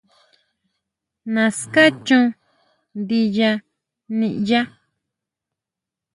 Naská chon ndinyá niʼyá.